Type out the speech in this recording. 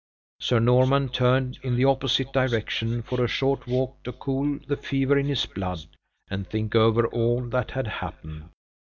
Sir Norman turned in the opposite direction for a short walk, to cool the fever in his blood, and think over all that had happened.